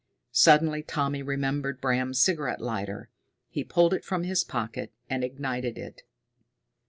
Suddenly Tommy remembered Bram's cigarette lighter. He pulled it from his pocket and ignited it.